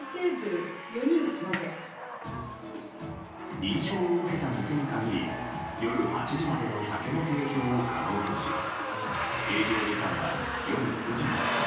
認証を受けた店に限り夜８時までの酒の提供を可能とし営業時間は夜９時まで。